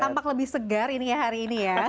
tampak lebih segar ini ya hari ini ya